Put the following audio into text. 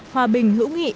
hòa bình hữu nghị